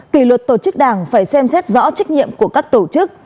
kỷ luật tổ chức đảng phải xem xét rõ trách nhiệm của các tổ chức